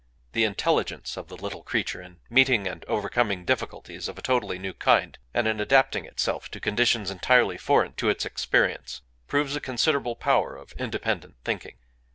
The intelligence of the little creature in meeting and overcoming difficulties of a totally new kind, and in adapting itself to conditions entirely foreign to its experience, proves a considerable power of independent thinking.